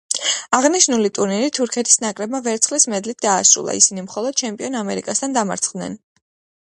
აღნიშნული ტურნირი თურქეთის ნაკრებმა ვერცხლის მედლით დაასრულა; ისინი მხოლოდ ჩემპიონ ამერიკასთან დამარცხდნენ.